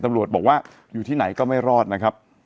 ตำรวจบอกว่าอยู่ที่ไหนก็ไม่รอดนะครับ